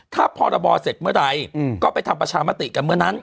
ถ้าพรบเสร็จเมื่อใดก็ไปทำประชามติกันเมื่อนั้น